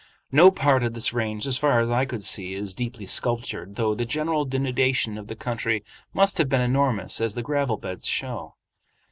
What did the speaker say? No part of this range as far as I could see is deeply sculptured, though the general denudation of the country must have been enormous as the gravel beds show.